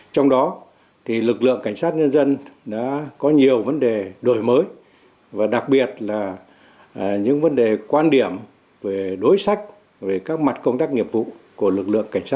trong đó thì lực lượng cảnh sát nhân dân đã có nhiều vấn đề đổi mới và đặc biệt là những vấn đề quan điểm về đối sách về các mặt công tác nghiệp vụ của đảng